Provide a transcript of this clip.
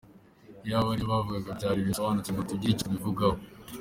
Iyaba ibyo bavugaga byari ibintu bisobanutse ngo tugire icyo tubivugaho.